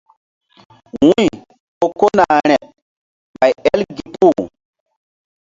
Wu̧y ko kona rȩɗ ɓay el gi puh.